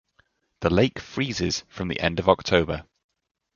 The lake freezes from the end of October.